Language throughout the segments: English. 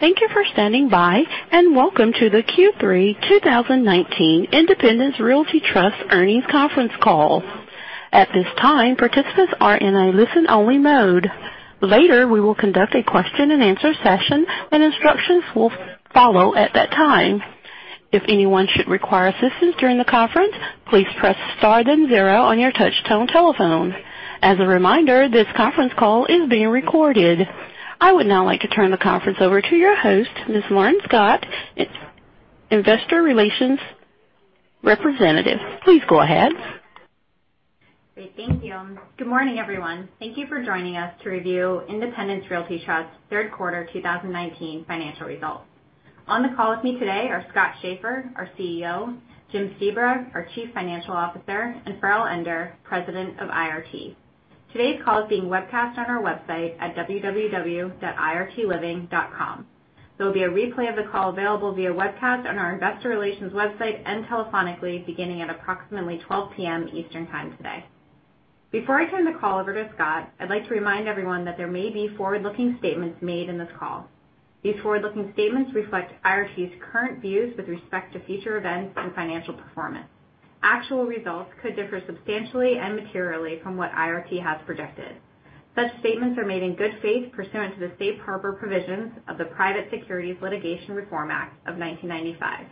Thank you for standing by, welcome to the Q3 2019 Independence Realty Trust Earnings Conference Call. At this time, participants are in a listen-only mode. Later, we will conduct a question and answer session, and instructions will follow at that time. If anyone should require assistance during the conference, please press star then zero on your touch-tone telephone. As a reminder, this conference call is being recorded. I would now like to turn the conference over to your host, Ms. Lauren Scott, Investor Relations Representative. Please go ahead. Great. Thank you. Good morning, everyone. Thank you for joining us to review Independence Realty Trust's third quarter 2019 financial results. On the call with me today are Scott Schaeffer, our CEO, Jim Sebra, our Chief Financial Officer, and Farrell, President of IRT. Today's call is being webcast on our website at www.irtliving.com. There will be a replay of the call available via webcast on our investor relations website and telephonically beginning at approximately 12:00 P.M. Eastern Time today. Before I turn the call over to Scott, I'd like to remind everyone that there may be forward-looking statements made in this call. These forward-looking statements reflect IRT's current views with respect to future events and financial performance. Actual results could differ substantially and materially from what IRT has projected. Such statements are made in good faith pursuant to the safe harbor provisions of the Private Securities Litigation Reform Act of 1995.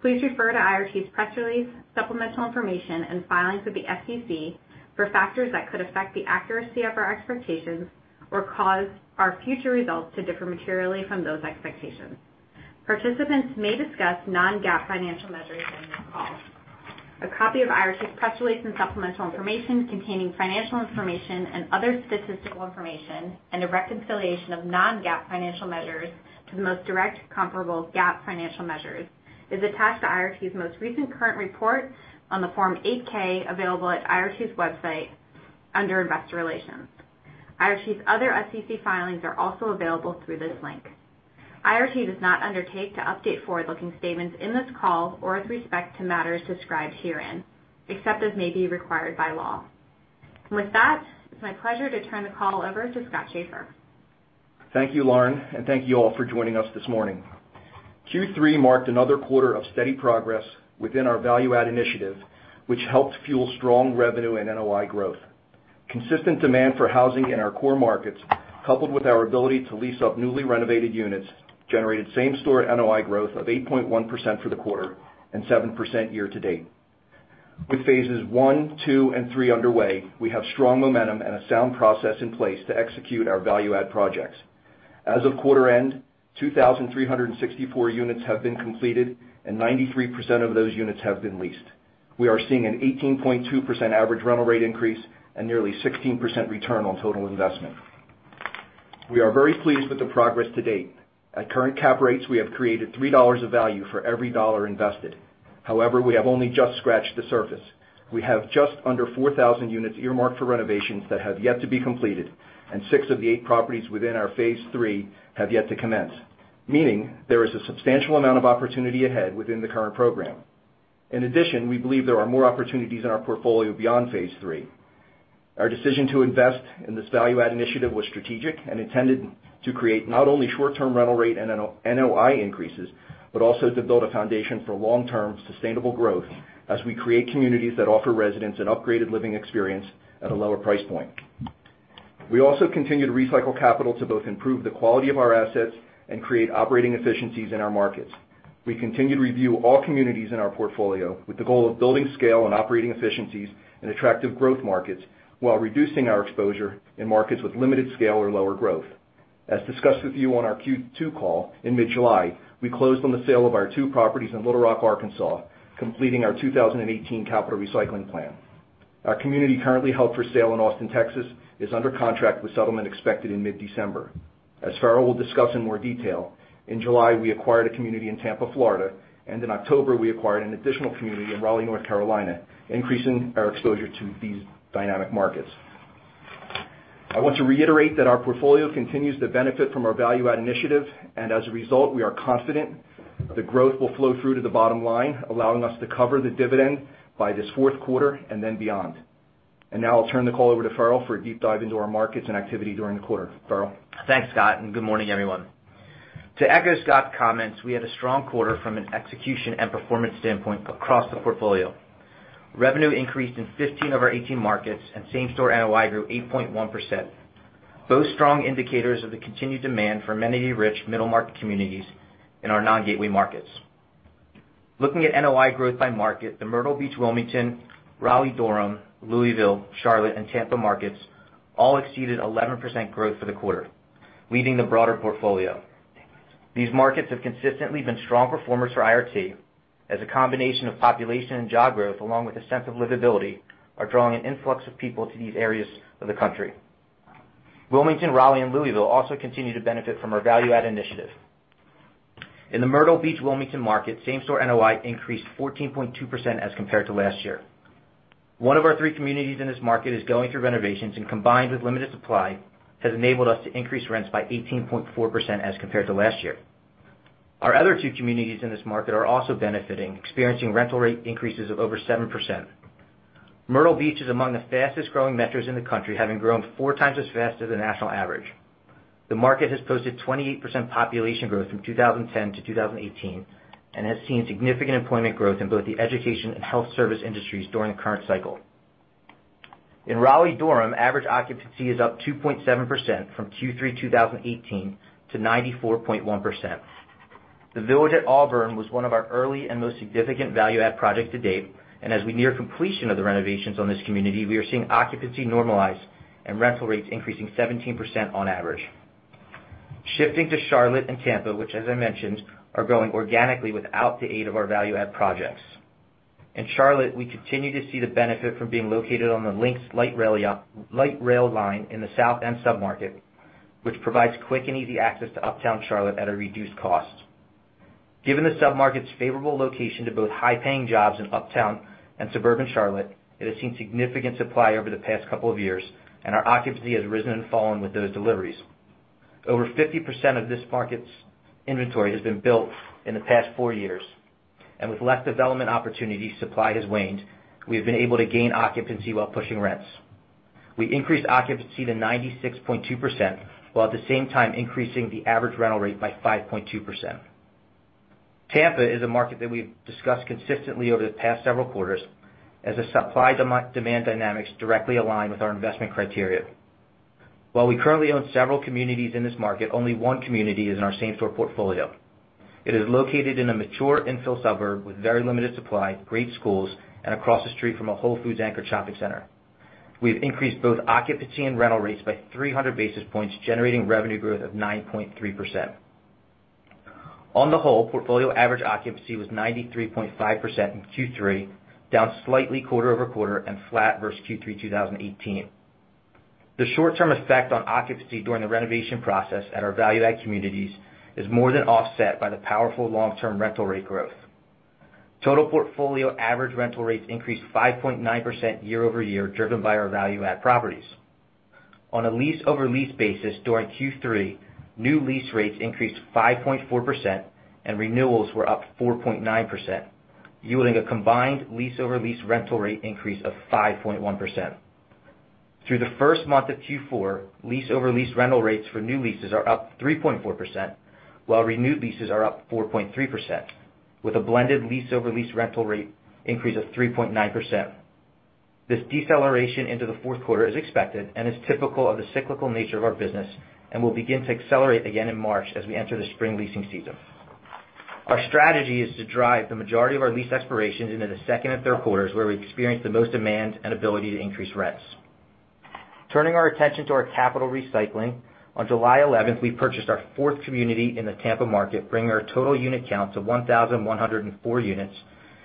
Please refer to IRT's press release, supplemental information, and filings with the SEC for factors that could affect the accuracy of our expectations or cause our future results to differ materially from those expectations. Participants may discuss non-GAAP financial measures during this call. A copy of IRT's press release and supplemental information containing financial information and other statistical information and a reconciliation of non-GAAP financial measures to the most direct comparable GAAP financial measures is attached to IRT's most recent current report on the form 8-K available at IRT's website under Investor Relations. IRT's other SEC filings are also available through this link. IRT does not undertake to update forward-looking statements in this call or with respect to matters described herein, except as may be required by law. With that, it's my pleasure to turn the call over to Scott Schaeffer. Thank you, Lauren, and thank you all for joining us this morning. Q3 marked another quarter of steady progress within our value-add initiative, which helped fuel strong revenue and NOI growth. Consistent demand for housing in our core markets, coupled with our ability to lease up newly renovated units, generated same store NOI growth of 8.1% for the quarter and 7% year-to-date. With phases one, two, and three underway, we have strong momentum and a sound process in place to execute our value-add projects. As of quarter end, 2,364 units have been completed, and 93% of those units have been leased. We are seeing an 18.2% average rental rate increase and nearly 16% return on total investment. We are very pleased with the progress to date. At current cap rates, we have created $3 of value for every dollar invested. We have only just scratched the surface. We have just under 4,000 units earmarked for renovations that have yet to be completed, and six of the eight properties within our phase three have yet to commence, meaning there is a substantial amount of opportunity ahead within the current program. We believe there are more opportunities in our portfolio beyond phase three. Our decision to invest in this value-add initiative was strategic and intended to create not only short-term rental rate and NOI increases, but also to build a foundation for long-term sustainable growth as we create communities that offer residents an upgraded living experience at a lower price point. We also continue to recycle capital to both improve the quality of our assets and create operating efficiencies in our markets. We continue to review all communities in our portfolio with the goal of building scale and operating efficiencies in attractive growth markets while reducing our exposure in markets with limited scale or lower growth. As discussed with you on our Q2 call in mid-July, we closed on the sale of our two properties in Little Rock, Arkansas, completing our 2018 capital recycling plan. Our community currently held for sale in Austin, Texas, is under contract with settlement expected in mid-December. As Farrell will discuss in more detail, in July, we acquired a community in Tampa, Florida, and in October, we acquired an additional community in Raleigh, North Carolina, increasing our exposure to these dynamic markets. I want to reiterate that our portfolio continues to benefit from our value-add initiative. As a result, we are confident that growth will flow through to the bottom line, allowing us to cover the dividend by this fourth quarter and then beyond. Now I'll turn the call over to Farrell for a deep dive into our markets and activity during the quarter. Farrell? Thanks, Scott, and good morning, everyone. To echo Scott's comments, we had a strong quarter from an execution and performance standpoint across the portfolio. Revenue increased in 15 of our 18 markets, and same store NOI grew 8.1%. Both strong indicators of the continued demand for amenity-rich middle-market communities in our non-gateway markets. Looking at NOI growth by market, the Myrtle Beach, Wilmington, Raleigh-Durham, Louisville, Charlotte, and Tampa markets all exceeded 11% growth for the quarter, leading the broader portfolio. These markets have consistently been strong performers for IRT as a combination of population and job growth, along with the sense of livability, are drawing an influx of people to these areas of the country. Wilmington, Raleigh, and Louisville also continue to benefit from our value-add initiative. In the Myrtle Beach, Wilmington market, same store NOI increased 14.2% as compared to last year. One of our three communities in this market is going through renovations, and combined with limited supply, has enabled us to increase rents by 18.4% as compared to last year. Our other two communities in this market are also benefiting, experiencing rental rate increases of over 7%. Myrtle Beach is among the fastest-growing metros in the country, having grown four times as fast as the national average. The market has posted 28% population growth from 2010 to 2018, and has seen significant employment growth in both the education and health service industries during the current cycle. In Raleigh Durham, average occupancy is up 2.7% from Q3 2018 to 94.1%. The Village at Auburn was one of our early and most significant value-add projects to date, and as we near completion of the renovations on this community, we are seeing occupancy normalize and rental rates increasing 17% on average. Shifting to Charlotte and Tampa, which as I mentioned, are growing organically without the aid of our value-add projects. In Charlotte, we continue to see the benefit from being located on the LYNX Blue Line in the South End submarket, which provides quick and easy access to Uptown Charlotte at a reduced cost. Given the submarket's favorable location to both high-paying jobs in uptown and suburban Charlotte, it has seen significant supply over the past couple of years, and our occupancy has risen and fallen with those deliveries. Over 50% of this market's inventory has been built in the past four years, and with less development opportunities, supply has waned. We have been able to gain occupancy while pushing rents. We increased occupancy to 96.2%, while at the same time increasing the average rental rate by 5.2%. Tampa is a market that we've discussed consistently over the past several quarters, as the supply, demand dynamics directly align with our investment criteria. While we currently own several communities in this market, only one community is in our same store portfolio. It is located in a mature infill suburb with very limited supply, great schools, and across the street from a Whole Foods anchor shopping center. We have increased both occupancy and rental rates by 300 basis points, generating revenue growth of 9.3%. On the whole, portfolio average occupancy was 93.5% in Q3, down slightly quarter-over-quarter and flat versus Q3 2018. The short-term effect on occupancy during the renovation process at our value-add communities is more than offset by the powerful long-term rental rate growth. Total portfolio average rental rates increased 5.9% year-over-year, driven by our value-add properties. On a lease-over-lease basis, during Q3, new lease rates increased 5.4% and renewals were up 4.9%, yielding a combined lease-over-lease rental rate increase of 5.1%. Through the first month of Q4, lease-over-lease rental rates for new leases are up 3.4%, while renewed leases are up 4.3%, with a blended lease-over-lease rental rate increase of 3.9%. This deceleration into the fourth quarter is expected and is typical of the cyclical nature of our business and will begin to accelerate again in March as we enter the spring leasing season. Our strategy is to drive the majority of our lease expirations into the second and third quarters, where we experience the most demand and ability to increase rents. Turning our attention to our capital recycling, on July 11th, we purchased our 4th community in the Tampa market, bringing our total unit count to 1,104 units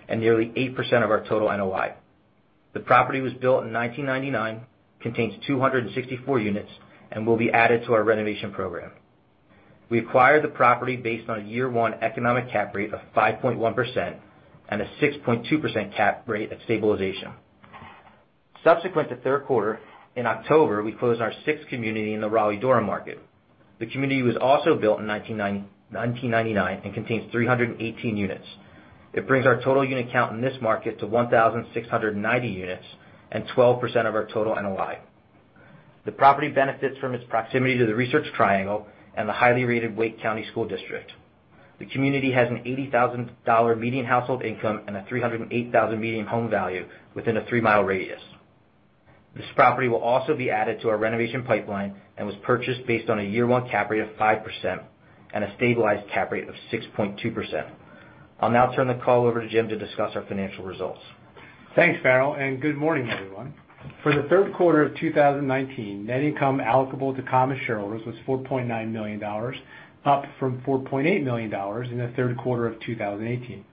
and nearly 8% of our total NOI. The property was built in 1999, contains 264 units and will be added to our renovation program. We acquired the property based on a year one economic cap rate of 5.1% and a 6.2% cap rate at stabilization. Subsequent to third quarter, in October, we closed our 6th community in the Raleigh Durham market. The community was also built in 1999 and contains 318 units. It brings our total unit count in this market to 1,690 units and 12% of our total NOI. The property benefits from its proximity to the Research Triangle and the highly rated Wake County School District. The community has an $80,000 median household income and a $308,000 median home value within a three-mile radius. This property will also be added to our renovation pipeline and was purchased based on a year one cap rate of 5% and a stabilized cap rate of 6.2%. I'll now turn the call over to Jim to discuss our financial results. Thanks, Farrell, and good morning, everyone. For the third quarter of 2019, net income allocable to common shareholders was $4.9 million, up from $4.8 million in the third quarter of 2018.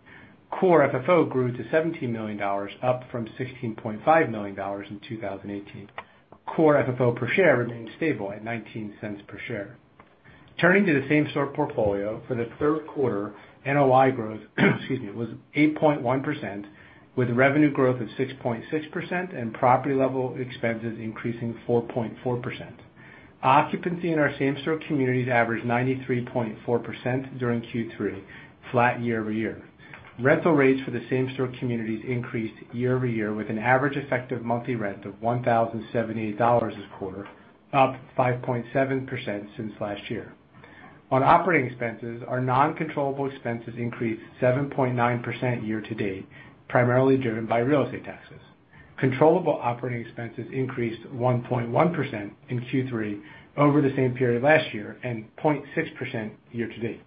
Core FFO grew to $17 million, up from $16.5 million in 2018. Core FFO per share remained stable at $0.19 per share. Turning to the same store portfolio for the third quarter, NOI growth excuse me, was 8.1%, with revenue growth of 6.6% and property level expenses increasing 4.4%. Occupancy in our same store communities averaged 93.4% during Q3, flat year-over-year. Rental rates for the same store communities increased year-over-year with an average effective monthly rent of $1,078 this quarter, up 5.7% since last year. On operating expenses, our non-controllable expenses increased 7.9% year to date, primarily driven by real estate taxes. Controllable operating expenses increased 1.1% in Q3 over the same period last year and 0.6% year to date.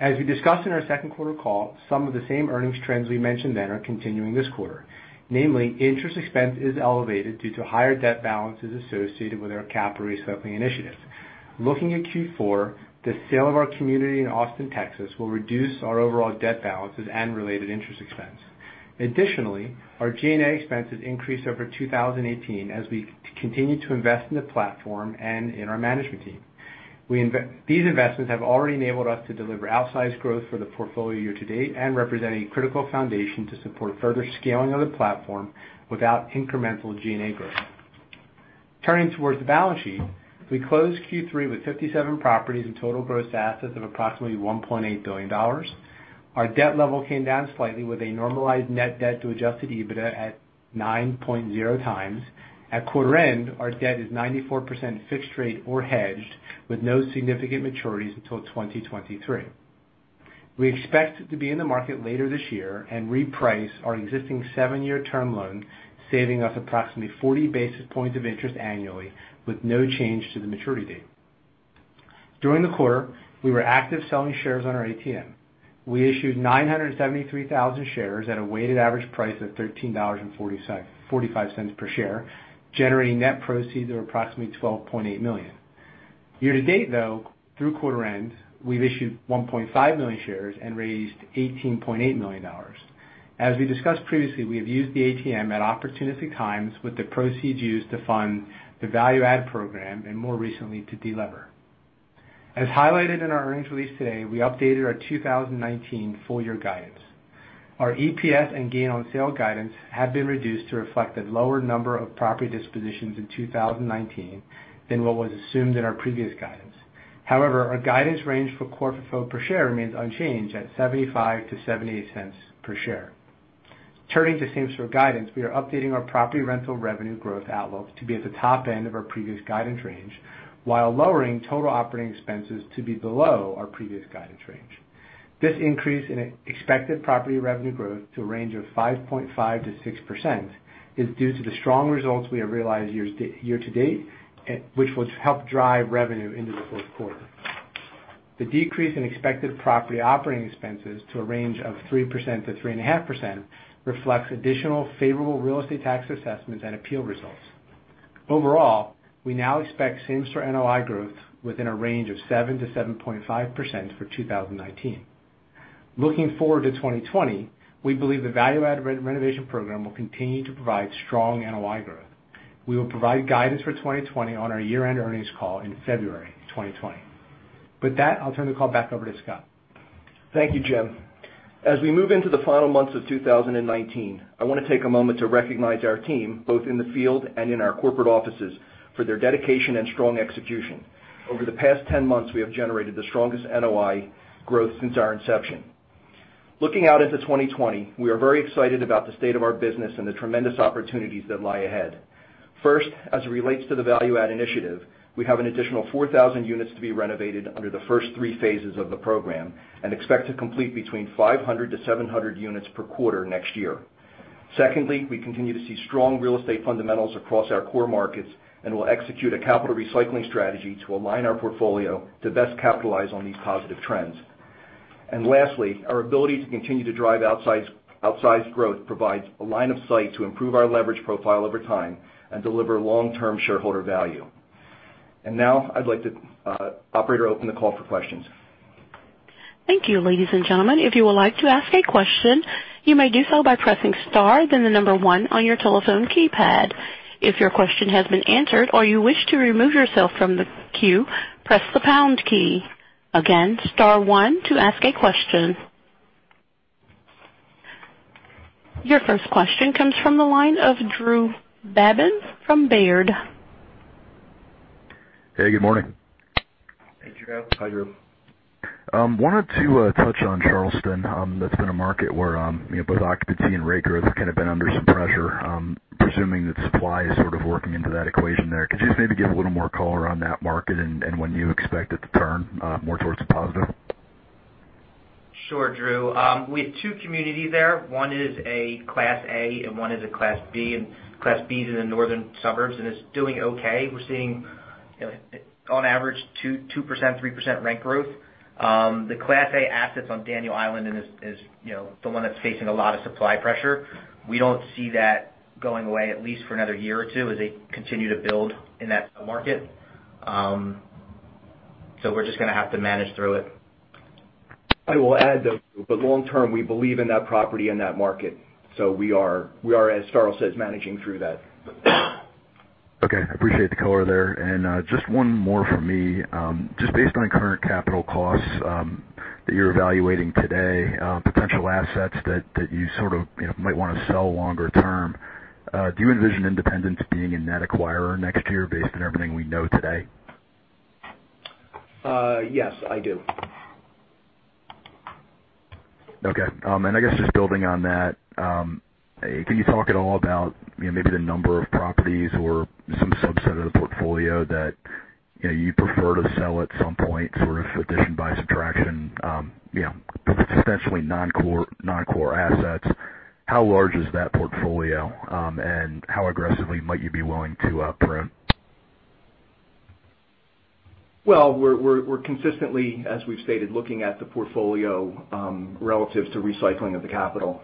As we discussed in our second quarter call, some of the same earnings trends we mentioned then are continuing this quarter. Namely, interest expense is elevated due to higher debt balances associated with our capital recycling initiatives. Looking at Q4, the sale of our community in Austin, Texas, will reduce our overall debt balances and related interest expense. Additionally, our G&A expenses increased over 2018 as we continue to invest in the platform and in our management team. These investments have already enabled us to deliver outsized growth for the portfolio year to date and represent a critical foundation to support further scaling of the platform without incremental G&A growth. Turning towards the balance sheet, we closed Q3 with 57 properties and total gross assets of approximately $1.8 billion. Our debt level came down slightly with a normalized net debt to adjusted EBITDA at 9.0 times. At quarter end, our debt is 94% fixed rate or hedged with no significant maturities until 2023. We expect to be in the market later this year and reprice our existing 7-year term loan, saving us approximately 40 basis points of interest annually with no change to the maturity date. During the quarter, we were active selling shares on our ATM. We issued 973,000 shares at a weighted average price of $13.45 per share, generating net proceeds of approximately $12.8 million. Year to date, though, through quarter end, we've issued 1.5 million shares and raised $18.8 million. As we discussed previously, we have used the ATM at opportunistic times with the proceeds used to fund the value-add program, and more recently, to de-lever. As highlighted in our earnings release today, we updated our 2019 full year guidance. Our EPS and gain on sale guidance have been reduced to reflect the lower number of property dispositions in 2019 than what was assumed in our previous guidance. Our guidance range for core FFO per share remains unchanged at $0.75-$0.78 per share. Turning to same store guidance, we are updating our property rental revenue growth outlook to be at the top end of our previous guidance range, while lowering total operating expenses to be below our previous guidance range. This increase in expected property revenue growth to a range of 5.5%-6% is due to the strong results we have realized year to date, which will help drive revenue into the fourth quarter. The decrease in expected property operating expenses to a range of 3%-3.5% reflects additional favorable real estate tax assessments and appeal results. Overall, we now expect same store NOI growth within a range of 7%-7.5% for 2019. Looking forward to 2020, we believe the value-add renovation program will continue to provide strong NOI growth. We will provide guidance for 2020 on our year-end earnings call in February 2020. With that, I'll turn the call back over to Scott. Thank you, Jim. As we move into the final months of 2019, I want to take a moment to recognize our team, both in the field and in our corporate offices, for their dedication and strong execution. Over the past 10 months, we have generated the strongest NOI growth since our inception. Looking out into 2020, we are very excited about the state of our business and the tremendous opportunities that lie ahead. First, as it relates to the value-add initiative, we have an additional 4,000 units to be renovated under the first three phases of the program and expect to complete between 500 to 700 units per quarter next year. Secondly, we continue to see strong real estate fundamentals across our core markets and will execute a capital recycling strategy to align our portfolio to best capitalize on these positive trends. Lastly, our ability to continue to drive outsized growth provides a line of sight to improve our leverage profile over time and deliver long-term shareholder value. Now I'd like the operator open the call for questions. Thank you, ladies and gentlemen. If you would like to ask a question, you may do so by pressing star then the number one on your telephone keypad. If your question has been answered or you wish to remove yourself from the queue, press the pound key. Again, star one to ask a question. Your first question comes from the line of Drew Babin from Baird. Hey, good morning. Hey, Drew. Hi, Drew. Wanted to touch on Charleston. That's been a market where both occupancy and rent growth kind of been under some pressure. I'm presuming that supply is sort of working into that equation there. Could you just maybe give a little more color on that market and when you expect it to turn more towards the positive? Sure, Drew. We have two communities there. One is a Class A and one is a Class B. Class B's in the northern suburbs and is doing okay. We're seeing on average 2%-3% rent growth. The Class A assets on Daniel Island is the one that's facing a lot of supply pressure. We don't see that going away, at least for another year or two as they continue to build in that market. We're just going to have to manage through it. I will add though, Drew, long term, we believe in that property and that market. We are, as Farrell says, managing through that. Okay. Appreciate the color there. Just one more from me. Just based on current capital costs that you're evaluating today, potential assets that you sort of might want to sell longer term, do you envision Independence being a net acquirer next year based on everything we know today? Yes, I do. Okay. I guess just building on that, can you talk at all about maybe the number of properties or some subset of the portfolio that you prefer to sell at some point, sort of addition by subtraction, potentially non-core assets. How large is that portfolio, and how aggressively might you be willing to trim? Well, we're consistently, as we've stated, looking at the portfolio, relative to recycling of the capital.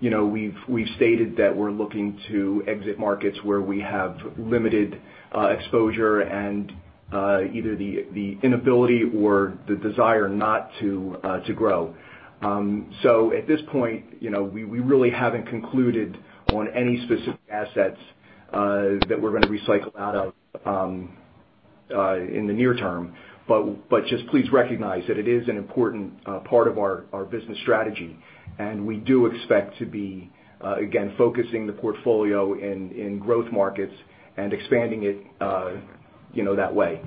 We've stated that we're looking to exit markets where we have limited exposure and either the inability or the desire not to grow. At this point, we really haven't concluded on any specific assets that we're going to recycle out of in the near term. Just please recognize that it is an important part of our business strategy, and we do expect to be, again, focusing the portfolio in growth markets and expanding it that way.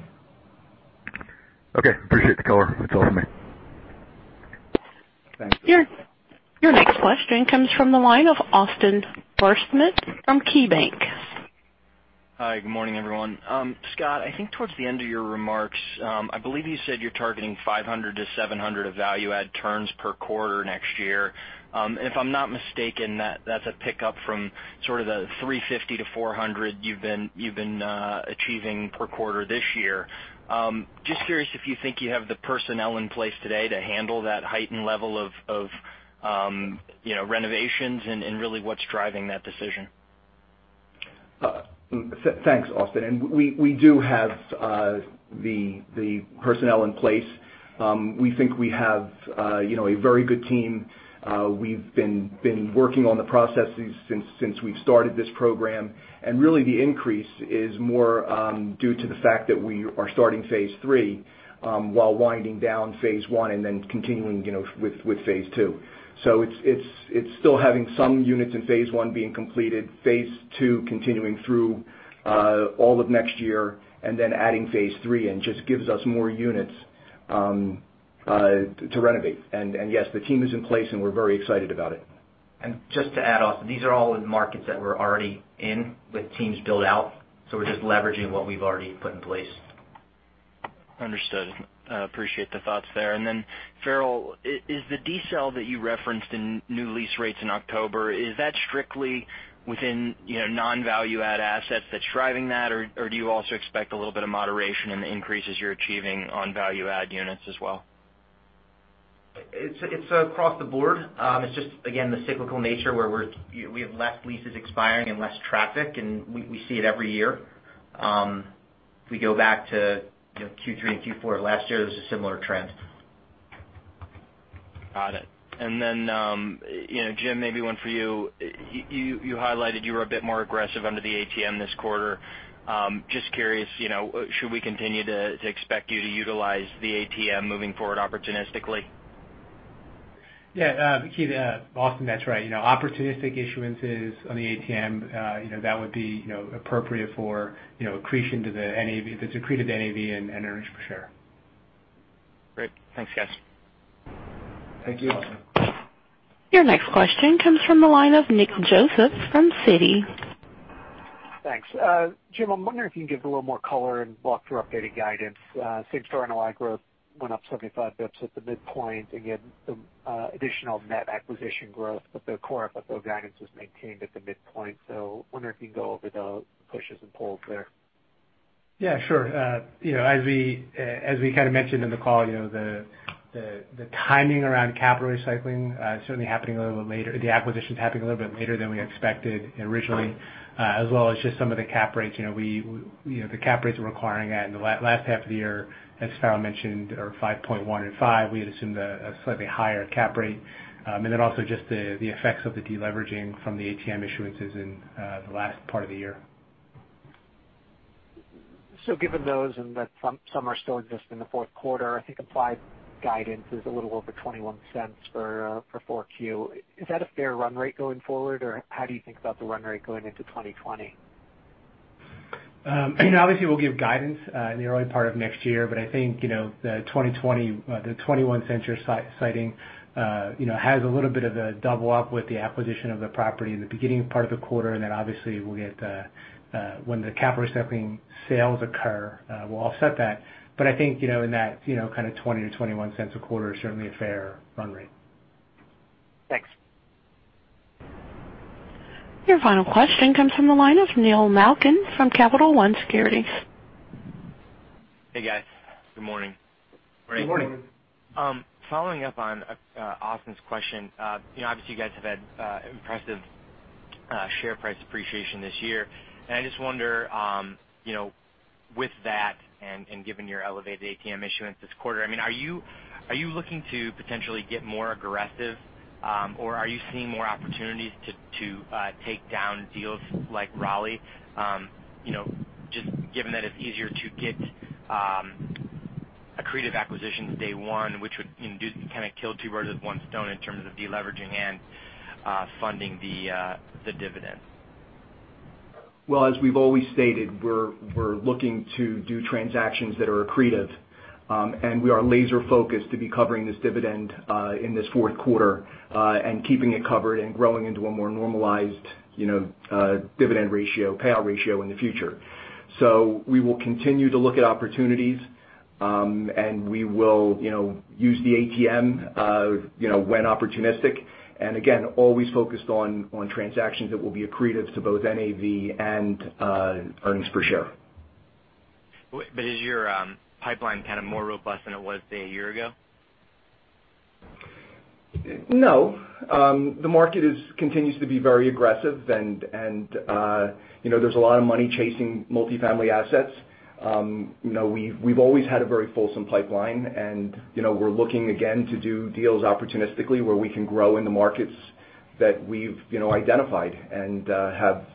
Okay. Appreciate the color. That's all for me. Thanks. Your next question comes from the line of Austin Wurschmidt from KeyBanc. Hi, good morning, everyone. Scott, I think towards the end of your remarks, I believe you said you're targeting 500-700 of value-add turns per quarter next year. If I'm not mistaken, that's a pickup from sort of the 350-400 you've been achieving per quarter this year. Just curious if you think you have the personnel in place today to handle that heightened level of renovations, and really what's driving that decision. Thanks, Austin. We do have the personnel in place. We think we have a very good team. We've been working on the processes since we've started this program. Really, the increase is more due to the fact that we are starting phase 3, while winding down phase 1 and then continuing with phase 2. It's still having some units in phase 1 being completed, phase 2 continuing through all of next year, and then adding phase 3. Just gives us more units to renovate. Yes, the team is in place, and we're very excited about it. Just to add, Austin, these are all in markets that we're already in with teams built out, so we're just leveraging what we've already put in place. Understood. Appreciate the thoughts there. Then Farrell, is the decel that you referenced in new lease rates in October, is that strictly within non-value add assets that's driving that, or do you also expect a little bit of moderation in the increases you're achieving on value-add units as well? It's across the board. It's just, again, the cyclical nature where we have less leases expiring and less traffic, and we see it every year. If we go back to Q3 and Q4 of last year, there's a similar trend. Got it. Jim, maybe one for you. You highlighted you were a bit more aggressive under the ATM this quarter. Just curious, should we continue to expect you to utilize the ATM moving forward opportunistically? Yeah. Austin, that's right. Opportunistic issuances on the ATM, that would be appropriate for accretion to the NAV. That's accretive to NAV and earnings per share. Great. Thanks, guys. Thank you. Awesome. Your next question comes from the line of Nick Joseph from Citi. Thanks. Jim, I'm wondering if you can give a little more color and walk through updated guidance. Same store NOI growth went up 75 basis points at the midpoint. Again, some additional net acquisition growth, but the core FFO guidance was maintained at the midpoint. Wondering if you can go over the pushes and pulls there. Yeah, sure. As we kind of mentioned in the call, the timing around capital recycling, the acquisition's happening a little bit later than we expected originally. As well as just some of the cap rates. The cap rates we're acquiring at in the last half of the year, as Farrell mentioned, are 5.1 and five. We had assumed a slightly higher cap rate. Also just the effects of the deleveraging from the ATM issuances in the last part of the year. Given those and that some are still just in the fourth quarter, I think implied guidance is a little over $0.21 for 4Q. Is that a fair run rate going forward, or how do you think about the run rate going into 2020? Obviously, we'll give guidance in the early part of next year. I think, the 2020, the $0.21 you're citing has a little bit of a double up with the acquisition of the property in the beginning part of the quarter, obviously, when the capital recycling sales occur, we'll offset that. I think, in that kind of $0.20 to $0.21 a quarter is certainly a fair run rate. Thanks. Your final question comes from the line of Neil Malkin from Capital One Securities. Hey, guys. Good morning. Good morning. Morning. Following up on Austin's question. Obviously, you guys have had impressive share price appreciation this year. I just wonder, with that and given your elevated ATM issuance this quarter, are you looking to potentially get more aggressive? Are you seeing more opportunities to take down deals like Raleigh? Just given that it's easier to get accretive acquisitions day one, which would kind of kill two birds with one stone in terms of deleveraging and funding the dividend. Well, as we've always stated, we're looking to do transactions that are accretive. We are laser-focused to be covering this dividend in this fourth quarter, and keeping it covered and growing into a more normalized dividend ratio, payout ratio in the future. We will continue to look at opportunities, and we will use the ATM when opportunistic, and again, always focused on transactions that will be accretive to both NAV and earnings per share. Is your pipeline kind of more robust than it was, say, one year ago? No. The market continues to be very aggressive and there's a lot of money chasing multifamily assets. We've always had a very fulsome pipeline and we're looking again to do deals opportunistically, where we can grow in the markets that we've identified and have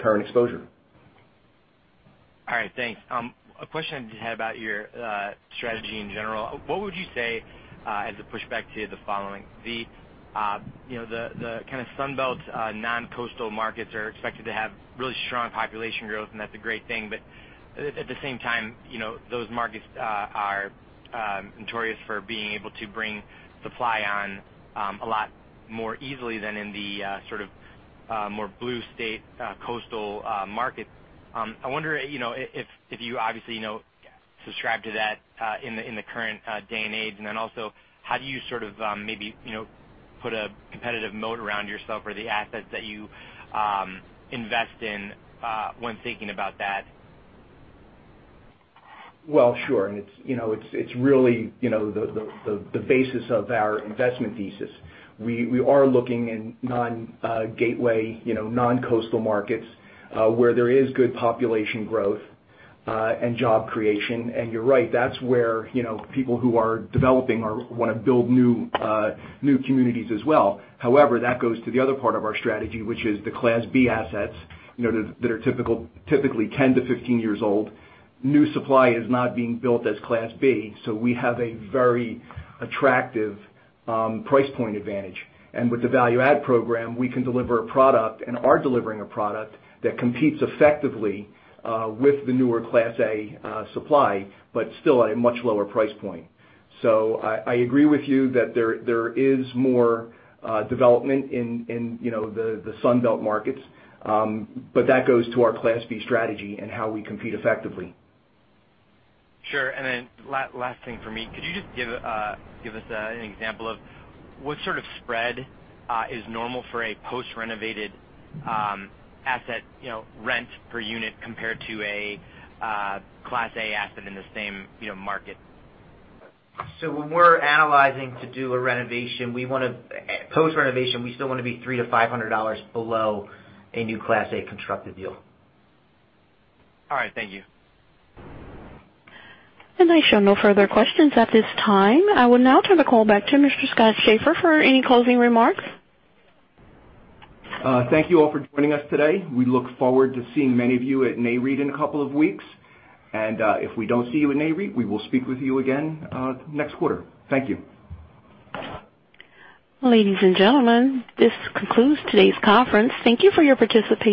current exposure. All right. Thanks. A question I had about your strategy in general. What would you say as a pushback to the following? The Sun Belt non-coastal markets are expected to have really strong population growth, and that's a great thing. At the same time, those markets are notorious for being able to bring supply on a lot more easily than in the more blue state coastal markets. I wonder if you obviously subscribe to that in the current day and age. How do you maybe put a competitive moat around yourself or the assets that you invest in when thinking about that? Well, sure. It's really the basis of our investment thesis. We are looking in non-gateway, non-coastal markets, where there is good population growth and job creation. You're right, that's where people who are developing want to build new communities as well. However, that goes to the other part of our strategy, which is the Class B assets that are typically 10 to 15 years old. New supply is not being built as Class B, so we have a very attractive price point advantage. With the value-add program, we can deliver a product, and are delivering a product that competes effectively with the newer Class A supply, but still at a much lower price point. I agree with you that there is more development in the Sun Belt markets. That goes to our Class B strategy and how we compete effectively. Sure. Last thing for me. Could you just give us an example of what sort of spread is normal for a post-renovated asset rent per unit compared to a Class A asset in the same market? When we're analyzing to do a renovation, post-renovation, we still want to be $300-$500 below a new Class A constructed deal. All right. Thank you. I show no further questions at this time. I will now turn the call back to Mr. Scott Schaeffer for any closing remarks. Thank you all for joining us today. We look forward to seeing many of you at NAREIT in a couple of weeks. If we don't see you at NAREIT, we will speak with you again next quarter. Thank you. Ladies and gentlemen, this concludes today's conference. Thank you for your participation.